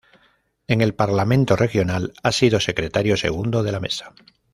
En el Parlamento regional, ha sido secretario segundo de la Mesa.